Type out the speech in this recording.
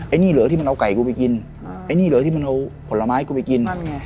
นี่เหรอที่มันเอาไก่กูไปกินไอ้นี่เหรอที่มันเอาผลไม้กูไปกิน